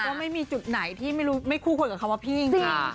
ก็ไม่มีหรือจุดไหนที่ไม่คู่กับเขาว่าที่พี่